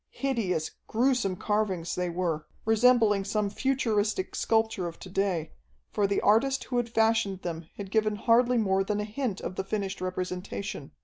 Hideous, gruesome carvings they were, resembling some futuristic sculpture of to day, for the artist who had fashioned them had given hardly more than a hint of the finished representation.